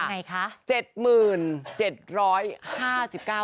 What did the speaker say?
ยังไงคะ